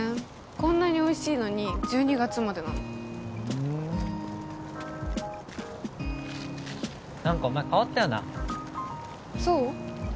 こんなにおいしいのに１２月までなのふん何かお前変わったよなそう？